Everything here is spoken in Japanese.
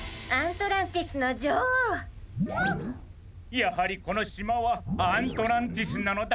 やはりこのしまはアントランティスなのだ！